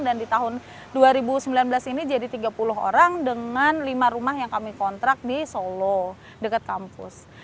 dan di tahun dua ribu sembilan belas ini jadi tiga puluh orang dengan lima rumah yang kami kontrak di solo dekat kampus